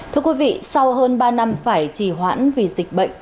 thưa quý vị sau hơn ba năm phải trì hoãn vì dịch bệnh